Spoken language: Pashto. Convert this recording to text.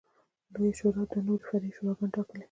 لویې شورا دوه نورې فرعي شوراګانې ټاکلې